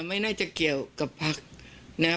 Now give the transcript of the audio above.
ไม่น่าจะเกี่ยวกับภักรณ์นะ